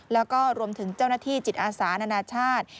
แล้วก็รวมถึงเจ้าหน้าที่จิตอาสานานาชาติ